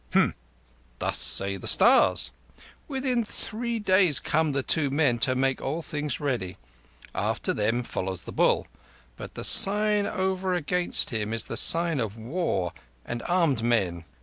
"Hm! Thus say the stars. Within three days come the two men to make all things ready. After them follows the Bull; but the sign over against him is the sign of War and armed men."